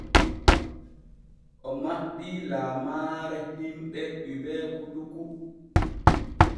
O maɓɓii laamaare hiɓɓe Hubert koutoukou.